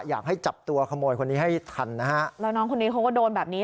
อยากให้จับตัวขโมยคนนี้ให้ทันนะฮะแล้วน้องคนนี้เขาก็โดนแบบนี้